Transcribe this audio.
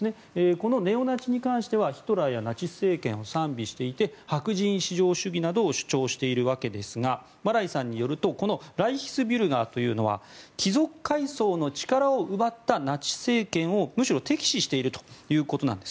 このネオナチに関してはヒトラーやナチス政権を賛美していて白人至上主義などを主張しているわけですがマライさんによるとライヒスビュルガーというのは貴族階層の力を奪ったナチス政権をむしろ敵視しているということなんです。